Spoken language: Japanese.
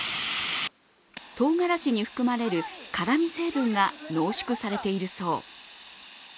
とうがらしに含まれる辛み成分が濃縮されているそう。